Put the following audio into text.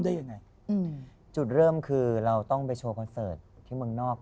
ได้ยังไงอืมจุดเริ่มคือเราต้องไปโชว์คอนเสิร์ตที่เมืองนอก